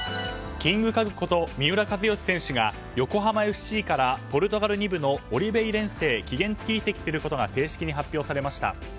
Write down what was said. キングカズこと三浦知良選手が横浜ＦＣからポルトガル２部のオリベイレンセへ期限付き移籍することが正式に発表されました。